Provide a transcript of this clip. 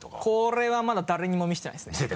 これはまだ誰にも見せてないですね。